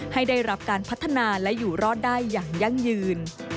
ให้ได้รับการพัฒนาและอยู่รอดได้อย่างยั่งยืน